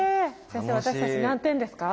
先生私たち何点ですか？